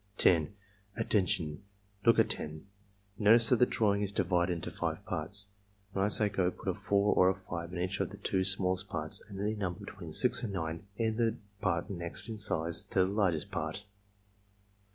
10. "Attention! Look at 10. Notice that the drawing is divided into five parts. When I say 'go ' put a 4 or a 5 in each of the two smallest parts and any number between 6 and 9 in the part next in size to the largest part.